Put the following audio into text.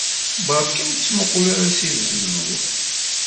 Beṛka ur ttmuqqul ara seg tzewwut.